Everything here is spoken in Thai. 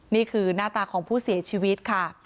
นี่คือหน้าตาของผู้เสียชีวิตค่ะ